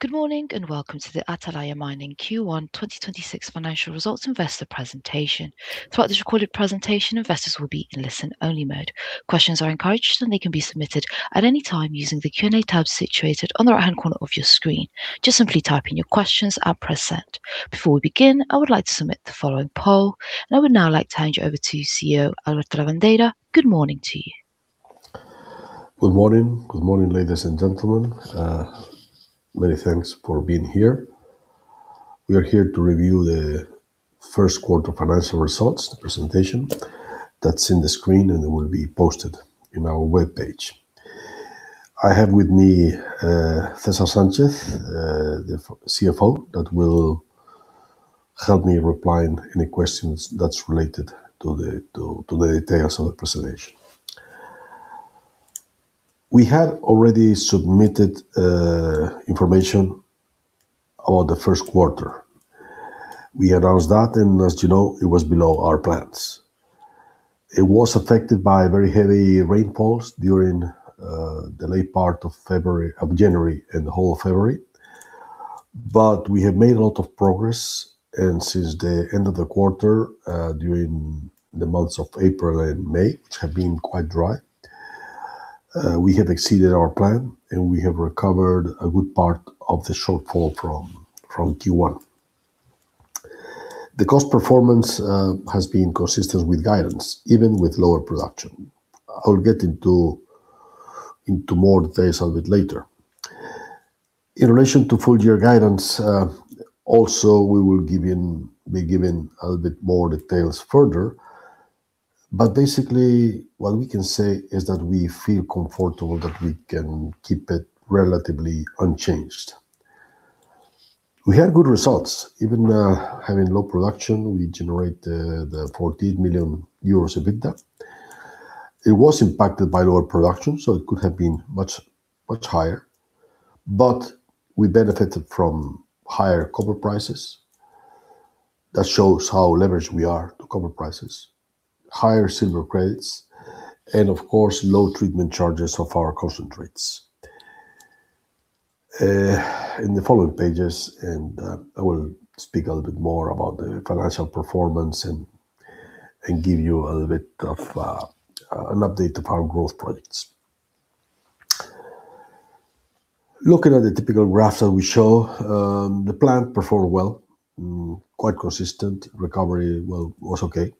Good morning, and welcome to the Atalaya Mining Q1 2026 financial results investor Presentation. Throughout this recorded presentation, investors will be in listen-only mode. Questions are encouraged, and they can be submitted at any time using the Q&A tab situated on the right corner of your screen. Just simply type in your questions and press send. Before we begin, I would like to submit the following poll. I would now like to hand you over to CEO Alberto Lavandeira. Good morning to you. Good morning. Good morning, ladies and gentlemen. Many thanks for being here. We are here to review the first quarter financial results presentation that is on the screen and will be posted on our webpage. I have with me César Sánchez, the CFO, who will help me reply to any questions that is related to the details of the presentation. We had already submitted information about the first quarter. We announced that, and as you know, it was below our plans. It was affected by very heavy rainfalls during the late part of January and the whole of February. We have made a lot of progress, and since the end of the quarter, during the months of April and May, which have been quite dry, we have exceeded our plan, and we have recovered a good part of the shortfall from Q1. The cost performance has been consistent with guidance, even with lower production. I'll get into more details a little bit later. Also we will be giving a little bit more details further in relation to full-year guidance. Basically, what we can say is that we feel comfortable that we can keep it relatively unchanged. We had good results. Even having low production, we generated the 14 million euros EBITDA. It was impacted by lower production, so it could have been much higher. We benefited from higher copper prices. That shows how leveraged we are to copper prices, higher silver credits, and of course, low treatment charges of our concentrates. In the following pages, I will speak a little bit more about the financial performance and give you a little bit of an update of our growth projects. Looking at the typical graphs that we show, the plant performed well, quite consistent. Recovery was okay,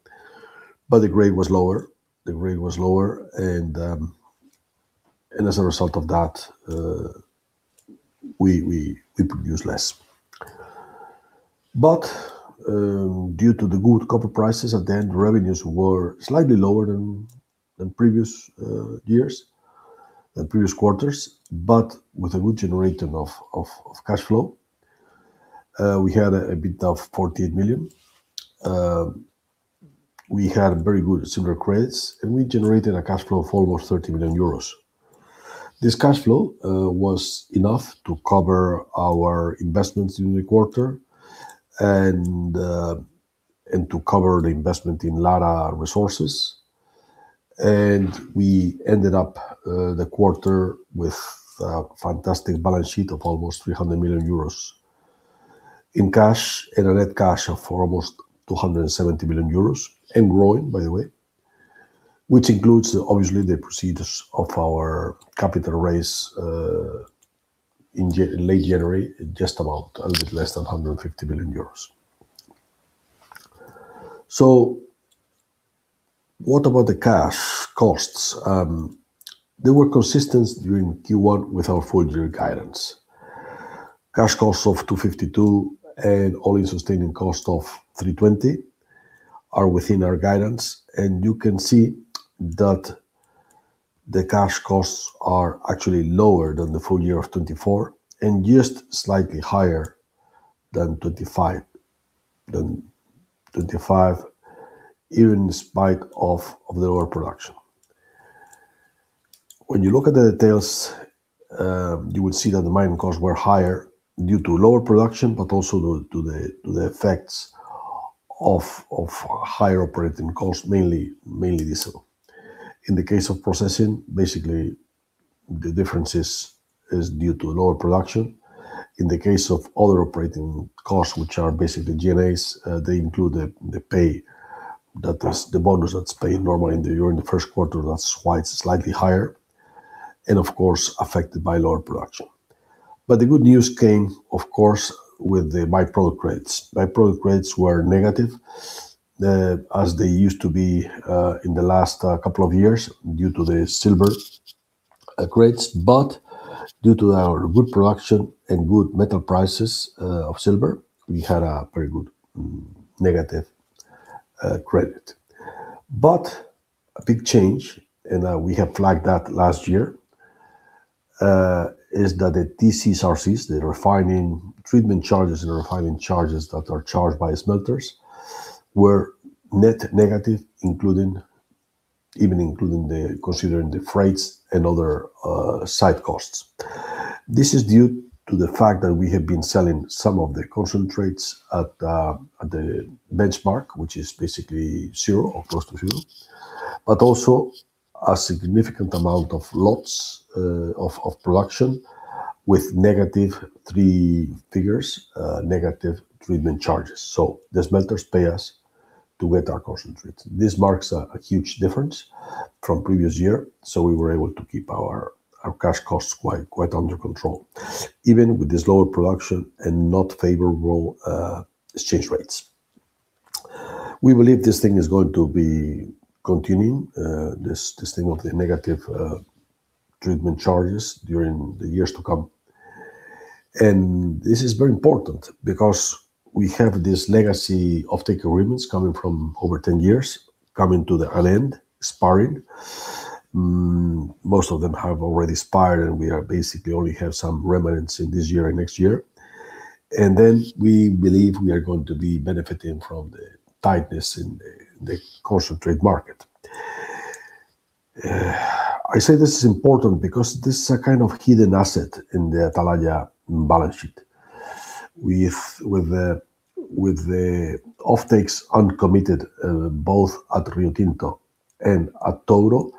but the grade was lower. The grade was lower, as a result of that, we produced less. Due to the good copper prices at the end, revenues were slightly lower than previous years and previous quarters, but with a good generation of cash flow. We had EBITDA of 14 million. We had very good silver credits, we generated a cash flow of almost 30 million euros. This cash flow was enough to cover our investments during the quarter and to cover the investment in Lara resources. We ended up the quarter with a fantastic balance sheet of almost 300 million euros in cash and a net cash of almost 270 million euros, and growing, by the way, which includes obviously the proceeds of our capital raise in late January, just about a little less than 150 million euros. What about the cash costs? They were consistent during Q1 with our full-year guidance. Cash costs of 252 and all-in sustaining cost of 320 are within our guidance, and you can see that the cash costs are actually lower than the full year of 2024 and just slightly higher than 2025, even in spite of lower production. When you look at the details, you will see that the mining costs were higher due to lower production, but also due to the effects of higher operating costs, mainly diesel. In the case of processing, basically, the difference is due to lower production. In the case of other operating costs, which are basically G&A, they include the pay that is the bonus that's paid normally during the first quarter. That's why it's slightly higher, and of course, affected by lower production. The good news came, of course, with the by-product rates. By-product rates were negative, as they used to be in the last couple of years due to the silver rates. Due to our good production and good metal prices of silver, we had a very good negative credit. A big change, and we have flagged that last year, is that the TCRC, the treatment charges and refining charges that are charged by smelters, were net negative, even including considering the freights and other site costs. This is due to the fact that we have been selling some of the concentrates at the benchmark, which is basically zero or close to zero. Also a significant amount of lots of production with negative three figures, negative treatment charges. The smelters pay us to get our concentrates. This marks a huge difference from previous year. We were able to keep our cash costs quite under control, even with this lower production and not favorable exchange rates. We believe this thing is going to be continuing, this thing of the negative treatment charges during the years to come. This is very important because we have this legacy offtake agreements coming from over 10 years coming to an end, expiring. Most of them have already expired. We basically only have some remnants in this year and next year. We believe we are going to be benefiting from the tightness in the concentrate market. I say this is important because this is a kind of hidden asset in the Atalaya balance sheet. With the offtakes uncommitted, both at Riotinto and at Touro,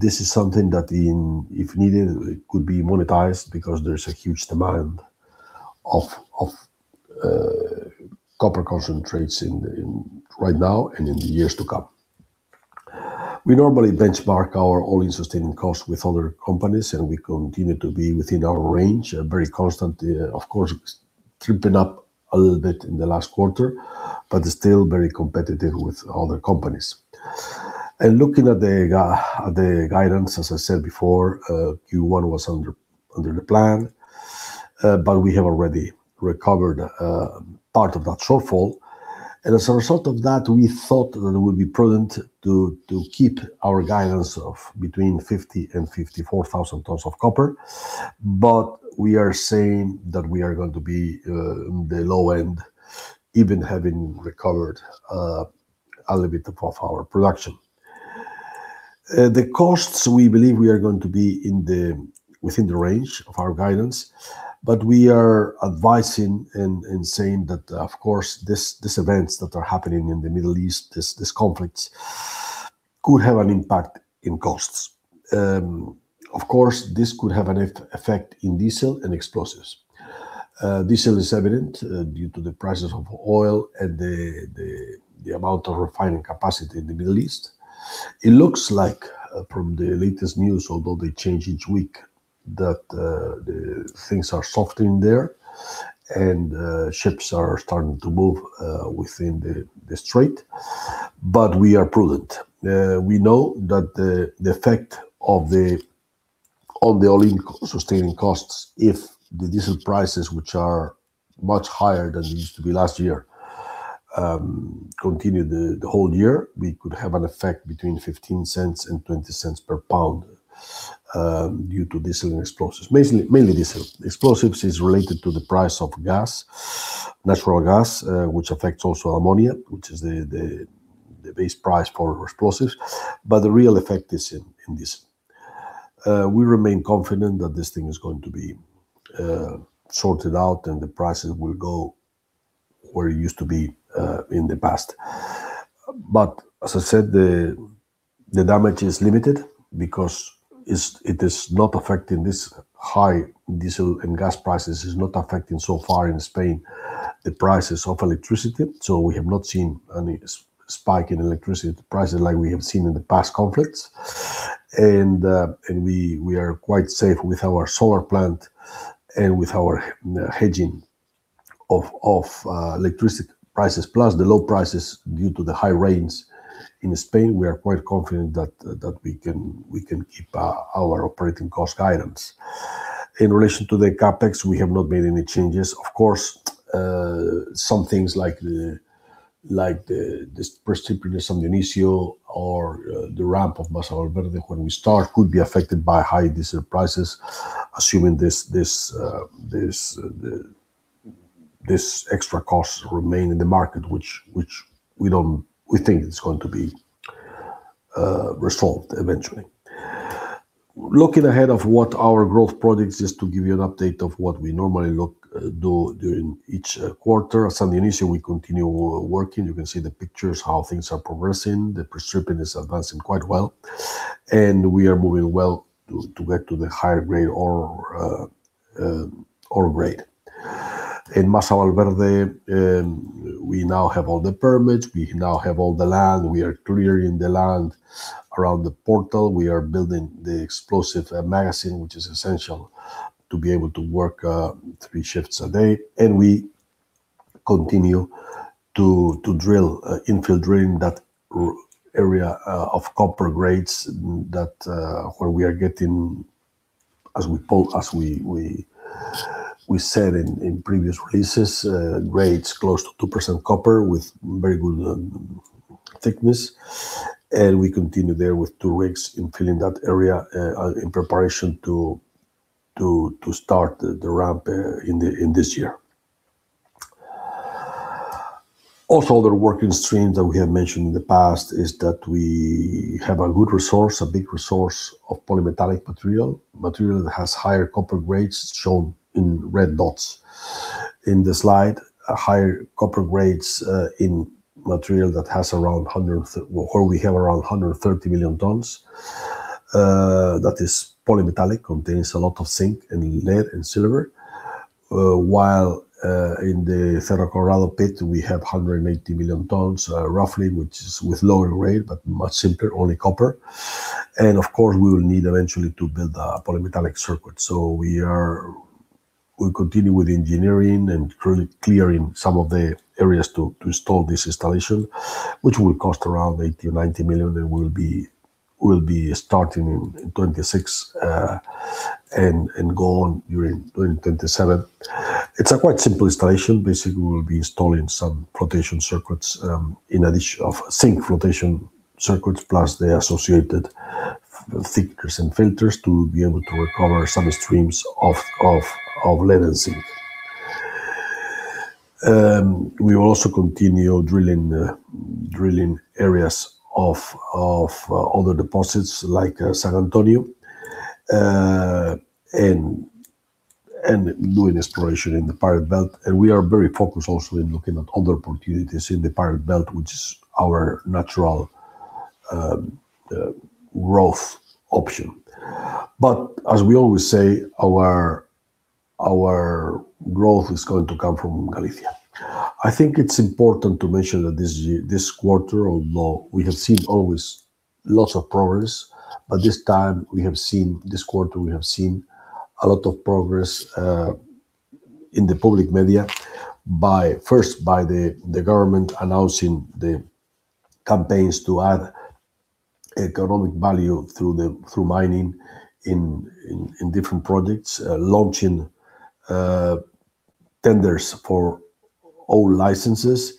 this is something that, if needed, could be monetized because there's a huge demand of copper concentrates right now and in the years to come. We normally benchmark our all-in sustaining costs with other companies, and we continue to be within our range and very constant. Of course, creeping up a little bit in the last quarter, but still very competitive with other companies. Looking at the guidance, as I said before, Q1 was under the plan, but we have already recovered part of that shortfall. As a result of that, we thought that it would be prudent to keep our guidance of between 50,000 and 54,000 tons of copper. We are saying that we are going to be in the low end, even having recovered a little bit of our production. The costs, we believe we are going to be within the range of our guidance. We are advising and saying that, of course, these events that are happening in the Middle East, these conflicts could have an impact in costs. Of course, this could have an effect in diesel and explosives. Diesel is evident due to the prices of oil and the amount of refining capacity in the Middle East. It looks like from the latest news, although they change each week, that things are softening there and ships are starting to move within the strait. We are prudent. We know that the effect on the all-in sustaining cost if the diesel prices, which are much higher than they used to be last year, continue the whole year, it could have an effect between 0.15 and 0.20 per pound due to diesel and explosives. Mainly diesel. Explosives is related to the price of natural gas, which affects also ammonia, which is the base price for explosives. The real effect is in diesel. We remain confident that this thing is going to be sorted out and the prices will go where it used to be in the past. As I said, the damage is limited because this high diesel and gas prices is not affecting so far in Spain the prices of electricity. We have not seen any spike in electricity prices like we have seen in the past conflicts. We are quite safe with our solar plant and with our hedging of electricity prices, plus the low prices due to the high rains in Spain. We are quite confident that we can keep our operating cost guidance. In relation to the CapEx, we have not made any changes. Of course, some things like the pre-stripping Andamixio or the ramp of Masa Valverde when we start could be affected by high diesel prices, assuming these extra costs remain in the market, which we think is going to be resolved eventually. Looking ahead of what our growth projects is to give you an update of what we normally do during each quarter. San Antonio, we continue working. You can see the pictures, how things are progressing. The pre-stripping is advancing quite well, and we are moving well to get to the high grade ore rate. In Masa Valverde, we now have all the permits. We now have all the land. We are clearing the land around the portal. We are building the explosive magazine, which is essential to be able to work three shifts a day. We continue to drill, infill drill in that area of copper grades where we are getting, as we said in previous releases, grades close to 2% copper with very good thickness. We continue there with two rigs infilling that area in preparation to start the ramp in this year. Also, other working streams that we have mentioned in the past is that we have a good resource, a big resource of polymetallic material. Material that has higher copper grades, shown in red dots. In the slide, higher copper grades in material where we have around 130 million tons. That is polymetallic, contains a lot of zinc and lead and silver. While in the Cerro Colorado pit, we have 180 million tons roughly, which is with lower grade, but much simpler, only copper. We will need eventually to build a polymetallic circuit. We'll continue with engineering and currently clearing some of the areas to install this installation, which will cost around 80 million-90 million and we'll be starting in 2026 and go on during 2027. It's a quite simple installation. Basically, we'll be installing some flotation circuits in addition of zinc flotation circuits, plus the associated thickeners and filters to be able to recover some streams of lead and zinc. We will also continue drilling areas of other deposits like San Antonio, and doing exploration in the Iberian Pyrite Belt. We are very focused also in looking at other opportunities in the Iberian Pyrite Belt, which is our natural growth option. As we always say, our growth is going to come from Galicia. I think it's important to mention that this quarter, although we have seen always lots of progress, but this time, this quarter we have seen a lot of progress in the public media first by the government announcing the campaigns to add economic value through mining in different projects, launching tenders for all licenses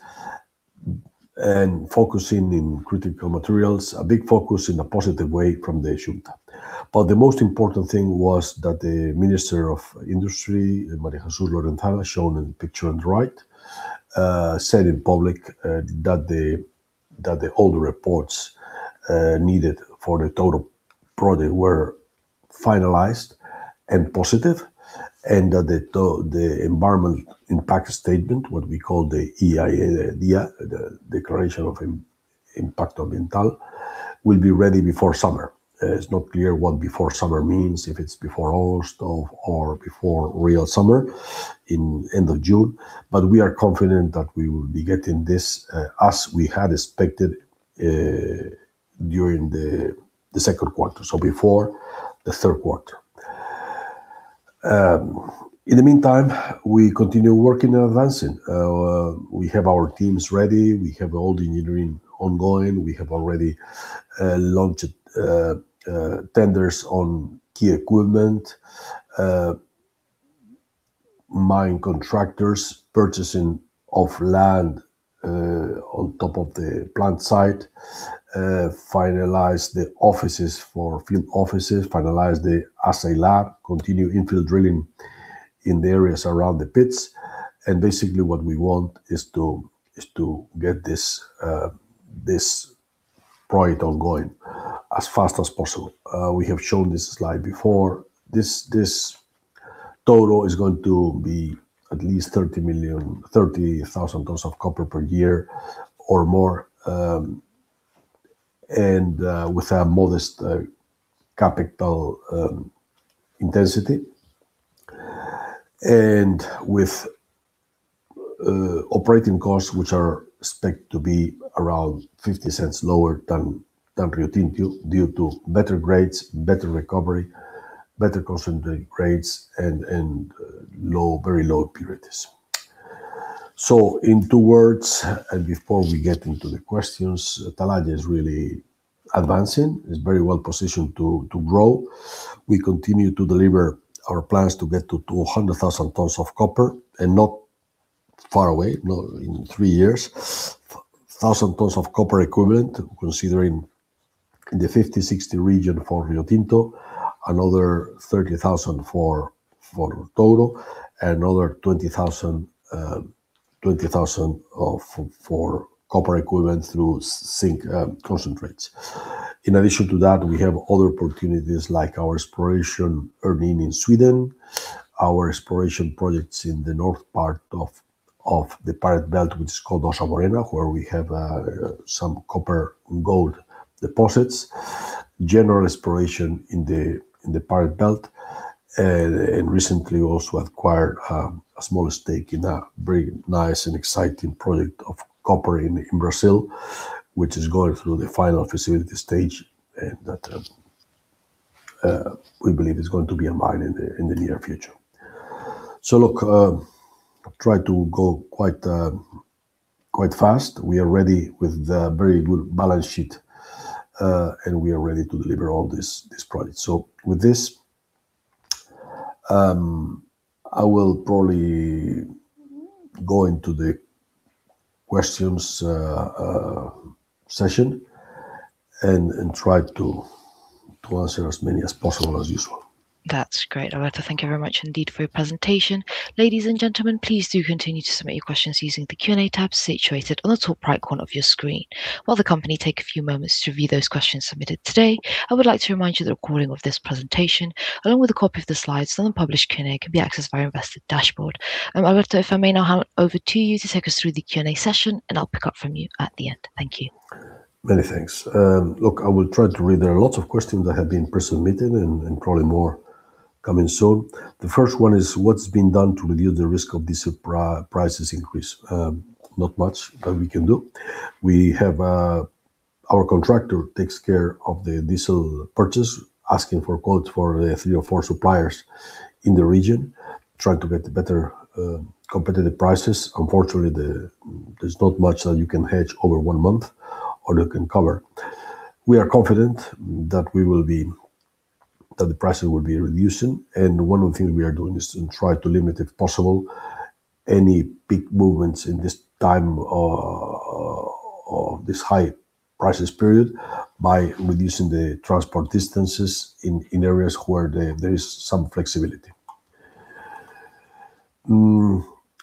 and focusing in critical materials, a big focus in a positive way from the EU. The most important thing was that the Minister of Industry, María Jesús Lorenzana, shown in picture on the right, said in public that all the reports needed for the total project were finalized and positive, and that the environment impact statement, what we call the EIA, the Declaration of Impact of Environmental, will be ready before summer. It's not clear what before summer means, if it's before August or before real summer in end of June. We are confident that we will be getting this as we had expected during the second quarter, so before the third quarter. In the meantime, we continue working and advancing. We have our teams ready, we have all the engineering ongoing, we have already launched tenders on key equipment, mine contractors, purchasing of land on top of the plant site, finalize the offices for field offices, finalize the assay lab, continue infill drilling in the areas around the pits. Basically what we want is to get this project ongoing as fast as possible. We have shown this slide before. This total is going to be at least 30,000 tons of copper per year or more, and with a modest capital intensity and with operating costs, which are expected to be around 0.50 lower than Riotinto due to better grades, better recovery, better concentrate grades and very low impurities. In two words, and before we get into the questions, Atalaya is really advancing, is very well positioned to grow. We continue to deliver our plans to get to 200,000 tons of copper, not far away, in three years, 1,000 tons of copper equivalent considering in the 50, 60 region for Riotinto, another 30,000 for Proyecto Touro, another 20,000 for copper equivalent through zinc concentrates. In addition to that, we have other opportunities like our exploration earning in Sweden, our exploration projects in the north part of the Iberian Pyrite Belt, which is called Ossa Morena, where we have some copper and gold deposits, general exploration in the Iberian Pyrite Belt, recently also acquired a small stake in a very nice and exciting project of copper in Brazil, that we believe is going to be a mine in the near future. Look, I've tried to go quite fast. We are ready with the very good balance sheet, and we are ready to deliver all this project. With this, I will probably go into the questions session and try to answer as many as possible as usual. That's great. Alberto, thank you very much indeed for your presentation. Ladies and gentlemen, please do continue to submit your questions using the Q&A tab situated on the top right corner of your screen. While the company take a few moments to review those questions submitted today, I would like to remind you that a recording of this presentation, along with a copy of the slides and the published Q&A, can be accessed via investor dashboard. Alberto, if I may now hand it over to you to take us through the Q&A session, and I'll pick up from you at the end. Thank you. Many thanks. I will try to read. There are a lot of questions that have been pre-submitted and probably more coming soon. The first one is: What is being done to reduce the risk of diesel prices increase? Not much that we can do. Our contractor takes care of the diesel purchase, asking for quotes from three or four suppliers in the region, trying to get better competitive prices. Unfortunately, there is not much that you can hedge over one month or you can cover. We are confident that the pricing will be reducing. One of the things we are doing is to try to limit, if possible, any big movements in this time of this high prices period by reducing the transport distances in areas where there is some flexibility.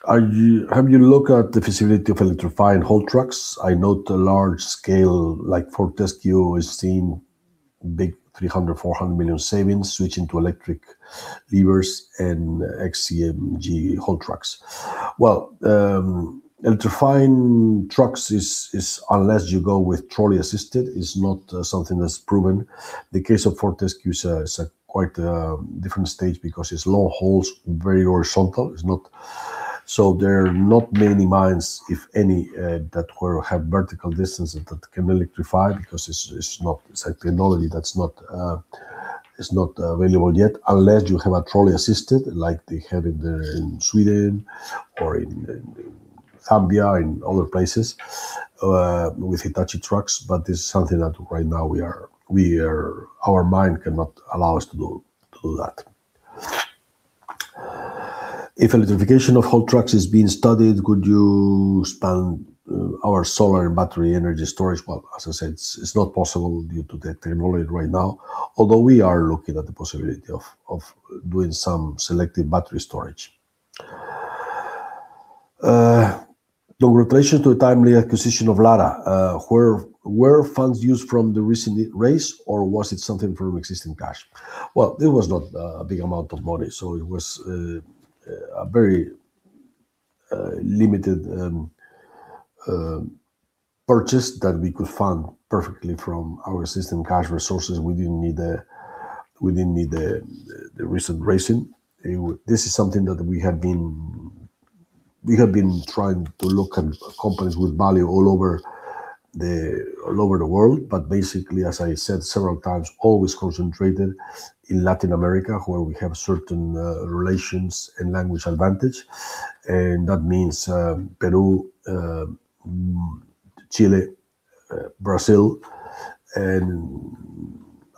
Have you looked at the feasibility of electrifying haul trucks? I note the large scale, like Fortescue is seeing big 300 million, 400 million savings switching to electric loaders and XCMG haul trucks. Well, electrifying trucks is, unless you go with trolley-assisted, is not something that's proven. The case of Fortescue is at quite a different stage because it's long hauls, very horizontal. There are not many mines, if any, that have vertical distances that can electrify because it's a technology that's not available yet, unless you have a trolley-assisted like they have in Sweden or in Zambia and other places with Hitachi trucks. It's something that right now our mine cannot allow us to do that. If electrification of haul trucks is being studied, could you spend our solar and battery energy storage? Well, as I said, it's not possible due to the technology right now, although we are looking at the possibility of doing some selective battery storage. In relation to timely acquisition of Lara. Were funds used from the recent raise or was it something from existing cash? Well, it was not a big amount of money, so it was a very limited purchase that we could fund perfectly from our existing cash resources. We didn't need the recent raising. This is something that we have been trying to look at companies with value all over the world, but basically, as I said several times, always concentrated in Latin America where we have certain relations and language advantage. That means Peru, Chile, Brazil, and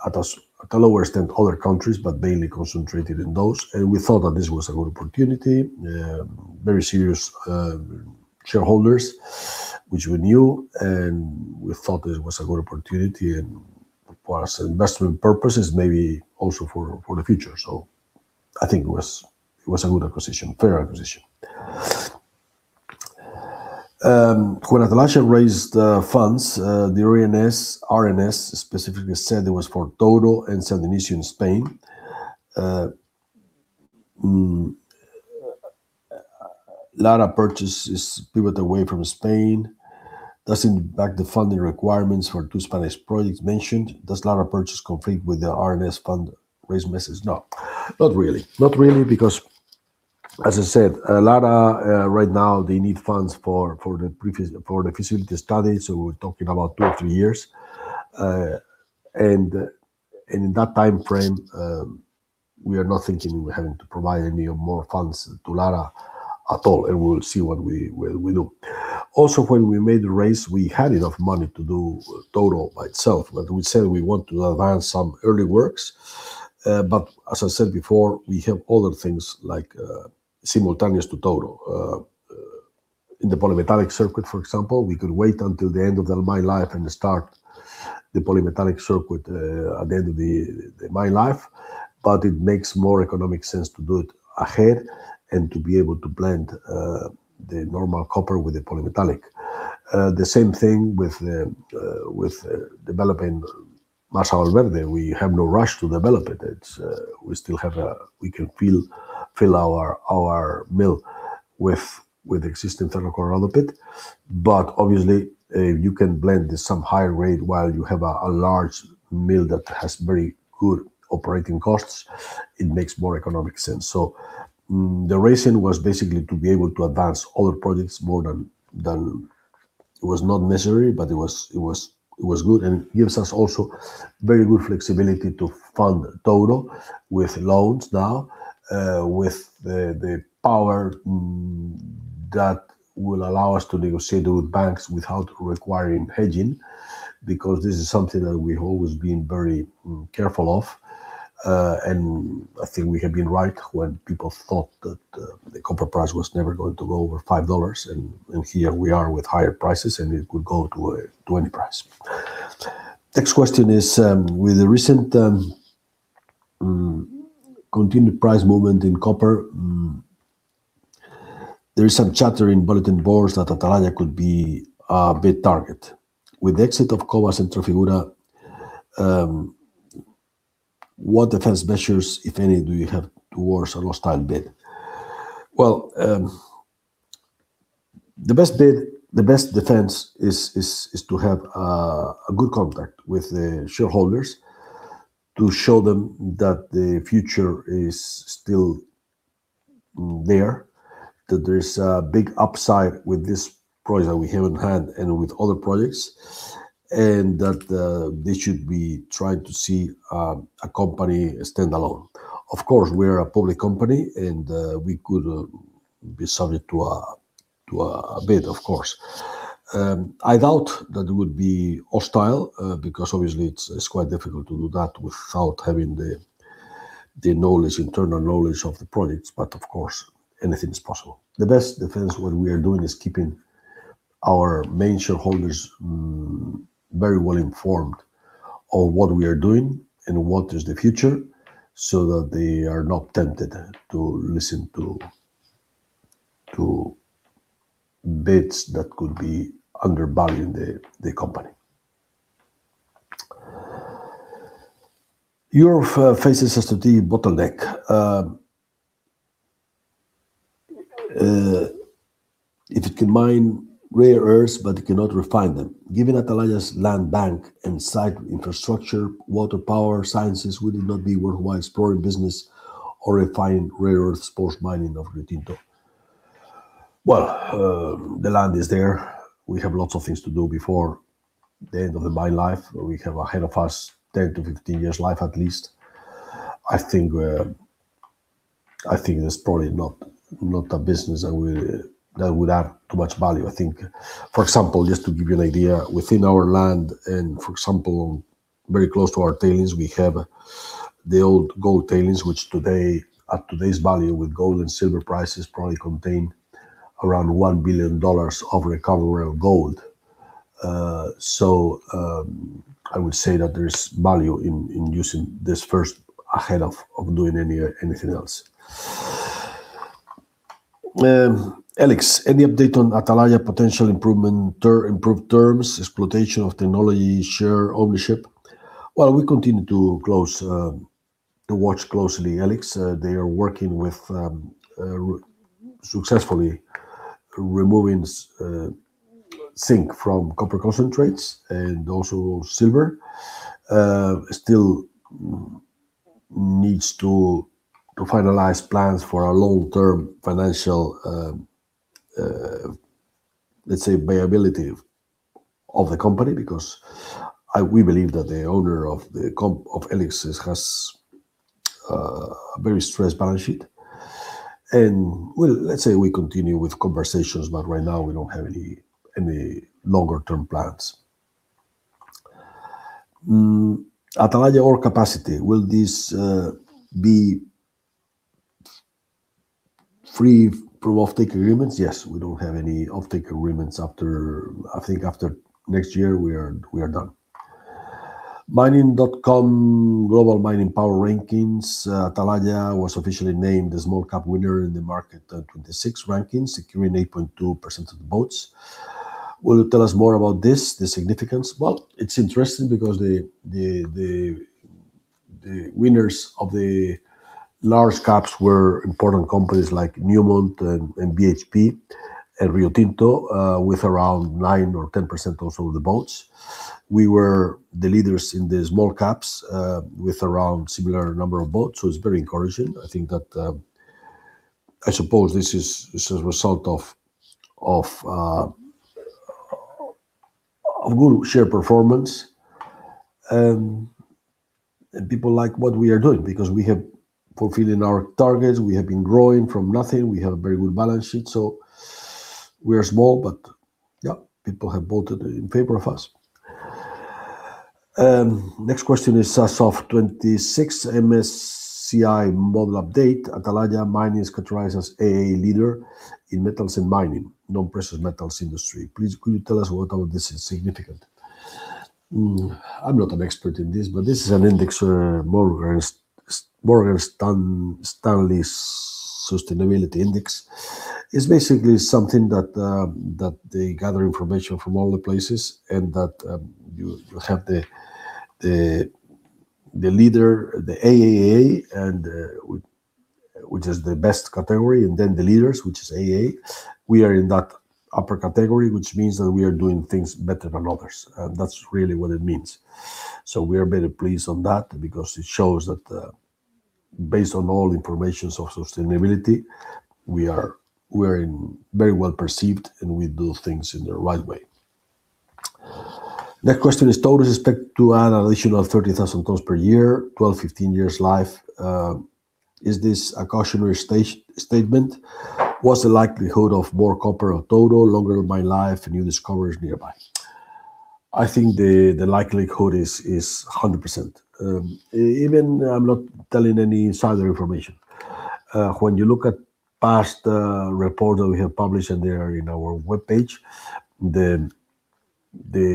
at a lower extent other countries, but mainly concentrated in those. We thought that this was a good opportunity. Very serious shareholders, which we knew, and we thought that it was a good opportunity and for us investment purposes, maybe also for the future. I think it was a good acquisition, fair acquisition. When Atalaya raised funds, the RNS specifically said it was for Touro and San Antonio in Spain. Lara purchase is pivoted away from Spain. Does it impact the funding requirements for two Spanish projects mentioned? Does Lara purchase conflict with the RNS fund raise message? No, not really. Not really because, as I said, Lara right now they need funds for the feasibility study. We're talking about two or three years. In that timeframe, we are not thinking we're having to provide any more funds to Lara at all, and we'll see what we do. When we made the raise, we had enough money to do Touro itself, but we said we want to advance some early works. As I said before, we have other things simultaneous to Touro. In the polymetallic circuit, for example, we could wait until the end of the mine life and start the polymetallic circuit at the end of the mine life, but it makes more economic sense to do it ahead and to be able to blend the normal copper with the polymetallic. The same thing with developing Masa Valverde. We have no rush to develop it. We can fill our mill with existing Cerro Colorado open pit, but obviously you can blend at some high rate while you have a large mill that has very good operating costs. It makes more economic sense. The reason was basically to be able to advance other projects more than It was not necessary, but it was good and gives us also very good flexibility to fund Touro with loans now, with the power that will allow us to negotiate with banks without requiring hedging, because this is something that we've always been very careful of. And I think we have been right when people thought that the copper price was never going to go over $5, and here we are with higher prices, and it could go to any price. Next question is, with the recent continued price movement in copper, there is some chatter in bulletin boards that Atalaya could be a bid target. With the exit of Kovas and Trofimova, what defense measures, if any, do you have towards a hostile bid? Well, the best defense is to have a good contract with the shareholders to show them that the future is still there, that there's a big upside with this project that we have in hand and with other projects, and that they should be trying to see a company standalone. Of course, we are a public company, and we could be subject to a bid, of course. I doubt that it would be hostile because obviously it's quite difficult to do that without having the internal knowledge of the projects, but of course, anything's possible. The best defense what we are doing is keeping our main shareholders very well informed on what we are doing and what is the future, so that they are not tempted to listen to bids that could be undervaluing the company. Europe faces a strategic bottleneck. It can mine rare earth but cannot refine them. Given Atalaya's land bank and site infrastructure, water power, sciences would it not be worthwhile exploring business or refine rare earth phosphate mining of Riotinto? Well, the land is there. We have lots of things to do before the end of the mine life. We have ahead of us 10-15 years life at least. I think that's probably not a business that would add too much value. I think, for example, just to give you an idea, within our land and for example, very close to our tailings, we have the old gold tailings, which today, at today's value with gold and silver prices probably contain around $1 billion of recoverable gold. I would say that there's value in using this first ahead of doing anything else. E-LIX, any update on Atalaya potential improved terms, exploitation of technology, share ownership? Well, we continue to watch closely E-LIX. They are working with successfully removing zinc from copper concentrates and also silver. Still needs to finalize plans for a long-term financial, let's say, viability of the company because we believe that the owner of E-LIX has a very stressed balance sheet. Well, let's say we continue with conversations, but right now we don't have any longer-term plans. Atalaya ore capacity, will this be free from offtake agreements? Yes, we don't have any offtake agreements after, I think after next year we are done. mining.com Global Mining Power Rankings. Atalaya was officially named the Small Cap winner in the March 2026 rankings, securing 8.2% of the votes. Will you tell us more about this, the significance? It's interesting because the winners of the Large Caps were important companies like Newmont and BHP and Riotinto with around 9% or 10% or so of the votes. We were the leaders in the Small Caps with around similar number of votes. It's very encouraging. I suppose this is a result of a good share performance. People like what we are doing because we have fulfilled our targets. We have been growing from nothing. We have very good balance sheet. We are small, but people have voted in favor of us. Next question is as of 26 MSCI model update. Atalaya Mining is categorized as AAA leader in metals and mining, non-precious metals industry. Please could you tell us what all this is significant? I'm not an expert in this, but this is an index where Morgan Stanley Sustainability Index is basically something that they gather information from all the places and that you have the leader, the AAA which is the best category, and then the leaders, which is AA. We are in that upper category, which means that we are doing things better than others, and that's really what it means. We are very pleased on that because it shows that based on all information of sustainability, we are very well perceived, and we do things in the right way. Next question is Touro expect to add additional 30,000 tons per year, 12-15 years life. Is this a cautionary statement? What's the likelihood of more copper on Proyecto Touro longer mine life and new discoveries nearby? I think the likelihood is 100%. Even I'm not telling any insider information. You look at past reports that we have published, and they are in our webpage, the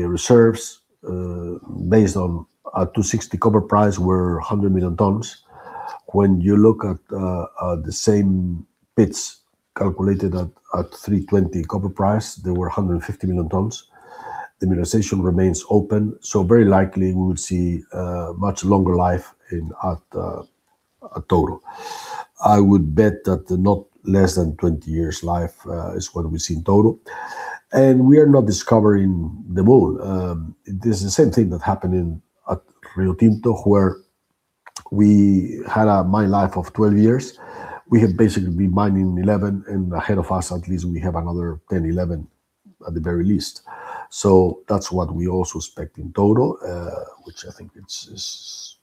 reserves based on a 260 copper price were 100 million tons. You look at the same pits calculated at 320 copper price, they were 150 million tons. The mineralization remains open, very likely we will see a much longer life at Touro. I would bet that not less than 20 years life is what we see in Touro. We are not discovering them all. This is the same thing that happened at Riotinto, where we had a mine life of 12 years. We have basically been mining 11, ahead of us, at least we have another 10, 11 at the very least. That's what we also expect inTouro, which I think it's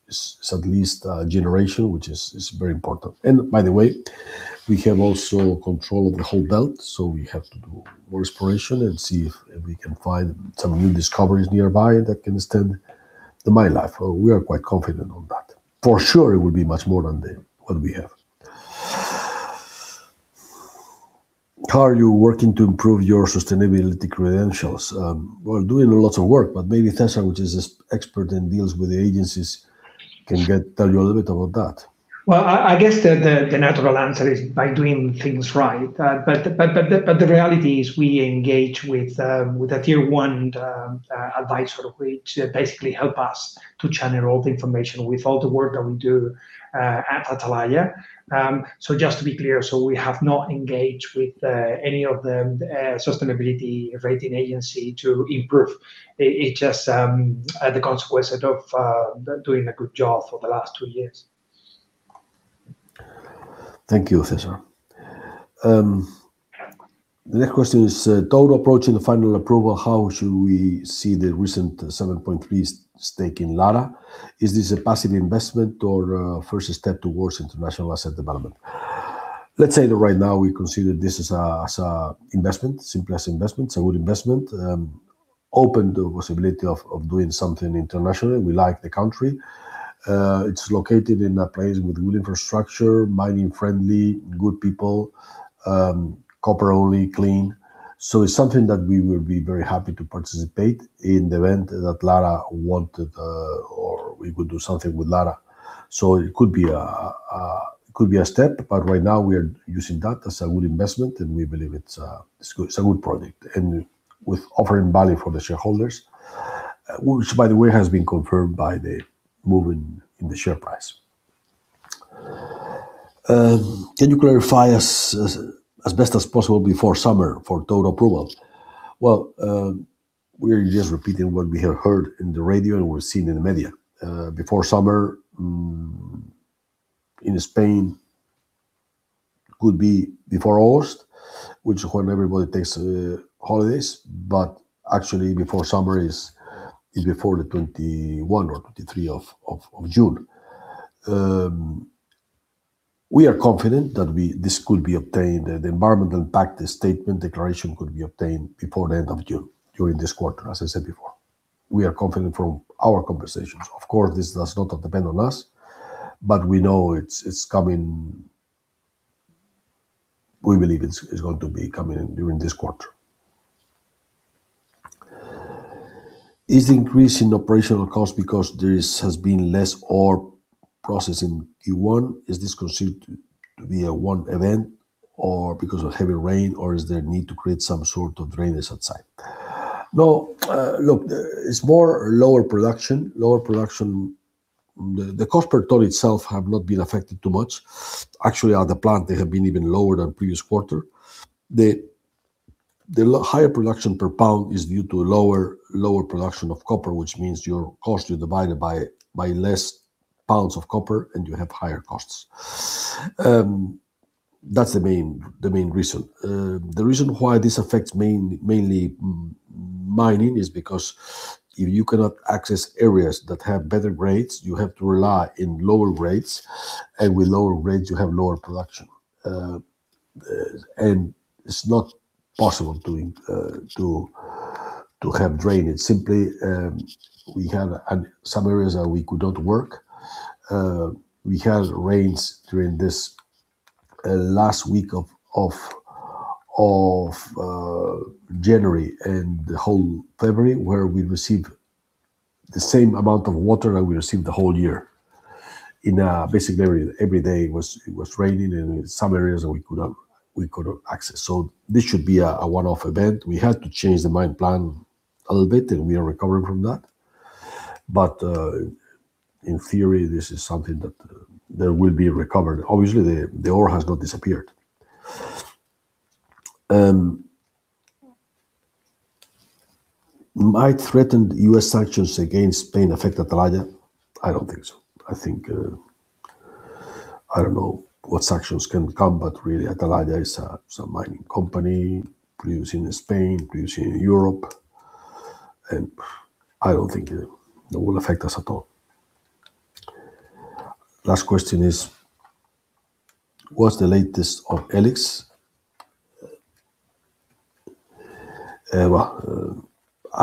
at least a generation, which is very important. By the way, we have also control of the whole belt, so we have to do more exploration and see if we can find some new discoveries nearby that can extend the mine life. We are quite confident on that. For sure, it will be much more than what we have. How are you working to improve your sustainability credentials? We're doing a lot of work, but maybe César, which is expert and deals with the agencies, can tell you a little bit about that. Well, I guess the natural answer is by doing things right. The reality is we engage with a tier 1 advisor, which basically help us to channel all the information with all the work that we do at Atalaya. Just to be clear, we have not engaged with any of the sustainability rating agency to improve. It's just the consequence of doing a good job for the last two years. Thank you, César. The next question is Touro approaching the final approval, how should we see the recent 7.3 stake in Lara? Is this a passive investment or first step towards international asset development? Let's say that right now we consider this as a investment, simplest investment, a good investment, open to the possibility of doing something internationally. We like the country. It's located in a place with good infrastructure, mining friendly, good people, copper only, clean. It's something that we will be very happy to participate in the event that Lara wanted or we could do something with Lara. It could be a step, but right now we are using that as a good investment, and we believe it's a good product and with offering value for the shareholders, which, by the way, has been confirmed by the movement in the share price. Can you clarify as best as possible before summer for Touro approvals? Well, we are just repeating what we have heard on the radio and we've seen in the media. Before summer in Spain could be before August, which is when everybody takes holidays, but actually before summer is before the 21 or 23 of June. We are confident that this could be obtained at environment impact statement declaration could be obtained before the end of June, during this quarter, as I said before. We are confident from our conversations. Of course, this does not depend on us, but we know it's coming. We believe it's going to be coming during this quarter. Is increase in operational cost because there has been less ore processing in Q1? Is this considered to be a one event or because of heavy rain, or is there need to create some sort of drainage outside? No. Look, it's more lower production. The cost per ton itself have not been affected too much. Actually, on the plant, they have been even lower than previous quarter. The higher production per pound is due to lower production of copper, which means your cost is divided by less pounds of copper, and you have higher costs. That's the main reason. The reason why this affects mainly mining is because if you cannot access areas that have better grades, you have to rely on lower grades, and with lower grades, you have lower production. It's not possible to have drainage. Simply, we have some areas that we could not work. We had rains during this last week of January and the whole February, where we received the same amount of water that we receive the whole year in a basic area. Every day it was raining in some areas we couldn't access. This should be a one-off event. We have to change the mine plan a little bit, and we are recovering from that. In theory, this is something that will be recovered. Obviously, the ore has not disappeared. Might threatened U.S. sanctions against Spain affect Atalaya? I don't think so. I don't know what sanctions can come. Atalaya is a mining company producing in Spain, producing in Europe, and I don't think it will affect us at all. Last question is, what's the latest on E-LIX?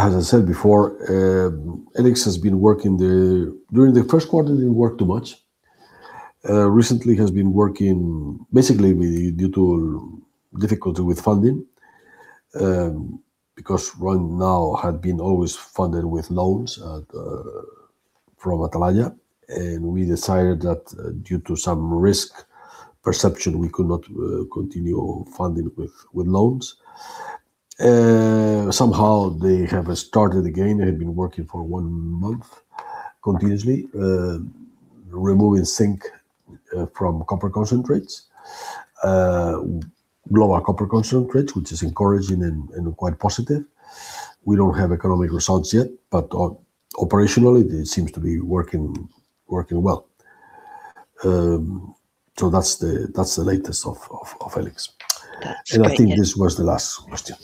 As I said before, E-LIX has been working. During the first quarter, it didn't work too much. Recently, it has been working basically due to difficulty with funding, because right now had been always funded with loans from Atalaya. We decided that due to some risk perception, we could not continue funding with loans. Somehow they have started again. They've been working for one month continuously, removing zinc from copper concentrates, lower copper concentrates, which is encouraging and quite positive. We don't have economic results yet. Operationally, they seem to be working well. That's the latest of E-LIX. I think this was the last question.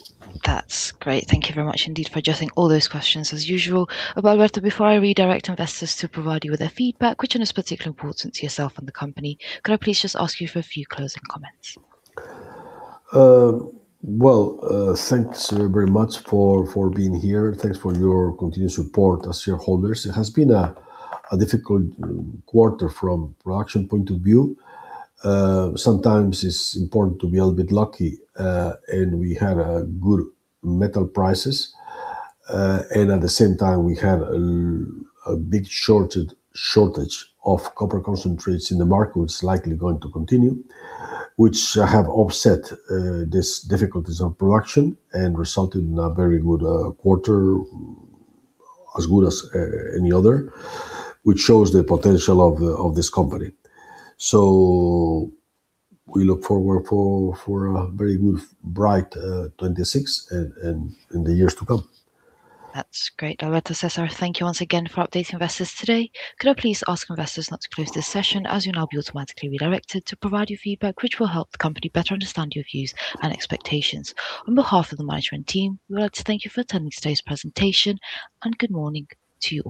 That's great. Thank you very much indeed for addressing all those questions as usual. Alberto, before I redirect investors to provide you with their feedback, which is of specific importance to yourself and the company, can I please just ask you for a few closing comments? Well, thanks very much for being here, and thanks for your continued support as shareholders. It has been a difficult quarter from a production point of view. Sometimes it's important to be a bit lucky, and we had good metal prices, and at the same time, we had a big shortage of copper concentrates in the market that's likely going to continue, which have offset these difficulties of production and resulted in a very good quarter, as good as any other, which shows the potential of this company. We look forward for a very bright 2026 and the years to come. That's great. Alberto, César, thank you once again for updating investors today. Could I please ask investors not to close this session as you'll now be automatically redirected to provide your feedback, which will help the company better understand your views and expectations. On behalf of the management team, Alberto, thank you for attending today's presentation, and good morning to you.